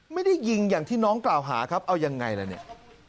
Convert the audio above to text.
ไม่ได้ยิงอย่างที่น้องกล่าวหาครับเอายังไงล่ะเนี่ย